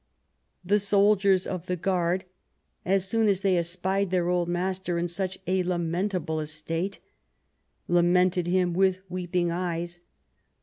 The soldiers of the guard, " as soon as they espied their old master in such a lamentable estate, lamented him with weeping eyes.